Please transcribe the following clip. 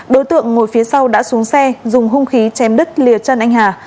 đối tượng ngồi phía sau đã xuống xe dùng hung khí chém đứt lìa chân anh hà